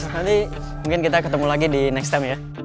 nanti mungkin kita ketemu lagi di next time ya